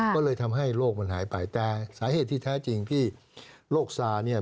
ก็เลยทำให้โรคมันหายไปแต่สาเหตุที่แท้จริงที่โรคซาเนี่ย